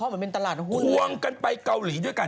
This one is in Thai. มึงมึงกูแต่เซียน